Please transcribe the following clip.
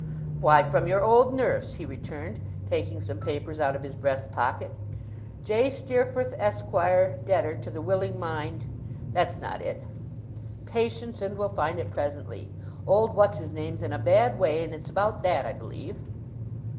'Why, from your old nurse,' he returned, taking some papers out of his breast pocket. "'J. Steerforth, Esquire, debtor, to The Willing Mind"; that's not it. Patience, and we'll find it presently. Old what's his name's in a bad way, and it's about that, I believe.